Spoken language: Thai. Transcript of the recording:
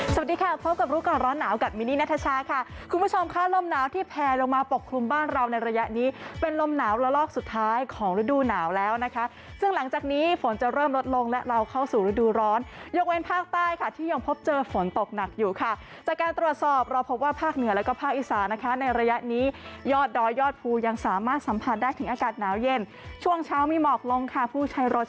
สวัสดีค่ะพบกับรู้ก่อนร้อนหนาวกับมินินาทชาค่ะคุณผู้ชมค่ะลมหนาวที่แพลลงมาปกคลุมบ้านเราในระยะนี้เป็นลมหนาวละลอกสุดท้ายของฤดูหนาวแล้วนะคะซึ่งหลังจากนี้ฝนจะเริ่มลดลงและเราเข้าสู่ฤดูร้อนยกเว้นภาคใต้ค่ะที่ยังพบเจอฝนตกหนักอยู่ค่ะจากการตรวจสอบเราพบว่าภาคเหนือแล้วก็ภาคอี